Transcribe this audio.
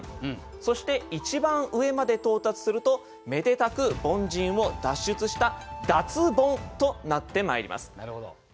そして一番上まで到達するとめでたく凡人を脱出した脱ボンとなってまいります。